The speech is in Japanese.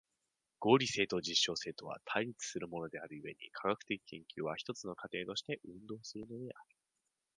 合理性と実証性とは対立するものである故に、科学的研究は一つの過程として運動するのである。